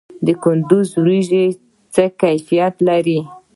د کندز وریجې څه کیفیت لري؟